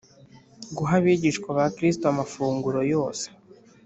Guha abigishwa ba kristo amafunguro yose